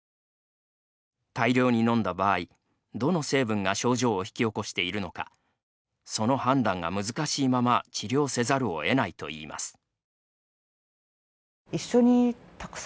大量にのんだ場合どの成分が症状を引き起こしているのかその判断が難しいまま治療せざるをえないといいます。